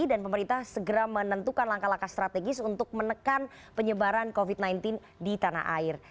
dan pemerintah segera menentukan langkah langkah strategis untuk menekan penyebaran covid sembilan belas di tanah air